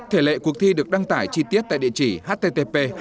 thể lệ cuộc thi được đăng tải chi tiết tại địa chỉ http startuphàn vn